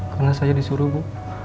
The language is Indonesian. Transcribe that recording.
karena saya disuruh bu